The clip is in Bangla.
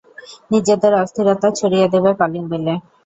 নিজেদের অস্থিরতা ছড়িয়ে দেবে কলিং বেলে।